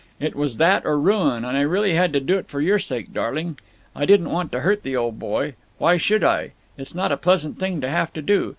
It was that or ruin, and I really had to do it for your sake, darling. I didn't want to hurt the old boy. Why should I? It's not a pleasant thing to have to do.